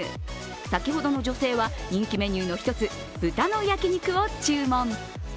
先ほどの女性は人気メニューの一つ豚の焼き肉を注文。